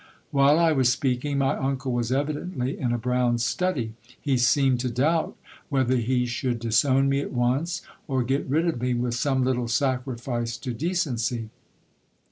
While I was speaking, my uncle was evidently in a brown study. He seemed to doubt whether he should disown me at once, or get rid of me with some little sacrifice to decency.